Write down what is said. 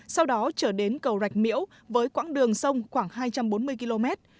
sau đó trở đến cầu rạch miễu với quãng đường sông khoảng hai trăm bốn mươi km